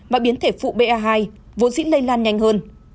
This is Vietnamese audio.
và biến thể phụ ba hai vốn dĩ lây lan nhanh hơn